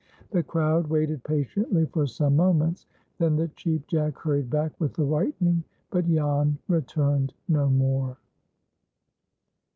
The crowd waited patiently for some moments. Then the Cheap Jack hurried back with the whitening. But Jan returned no more.